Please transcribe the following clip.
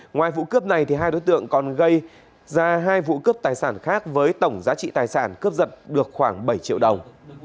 ngoài vụ cướp này hai đối tượng còn gây ra hai vụ cướp tài sản khác với tổng giá trị tài sản cướp giật được khoảng bảy triệu đồng